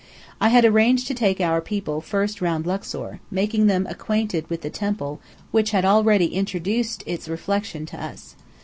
I had arranged to take our people first round Luxor, making them acquainted with the temple which had already introduced its reflection to us.